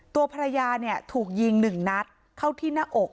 ตัวภรรยาเนี่ยถูกยิง๑นัดเข้าที่หน้าอก